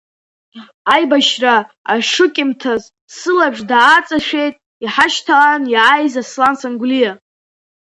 Аибашьра ашыкьымҭаз сылаԥш дааҵашәеит иҳашьҭалан иааз Аслан Сангәлиа.